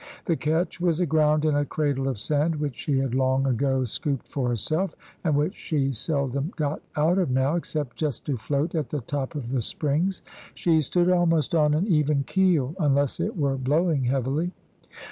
The ketch was aground in a cradle of sand, which she had long ago scooped for herself, and which she seldom got out of now, except just to float at the top of the springs. She stood almost on an even keel, unless it were blowing heavily.